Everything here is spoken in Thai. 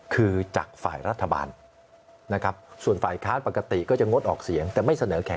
คือยังงี้หรอคือนี้